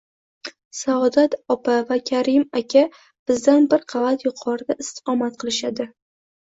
Saodat opa va Karim aka bizdan bir qavat yuqorida istiqomat qilishadi